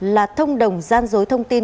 là thông đồng gian dối thông tin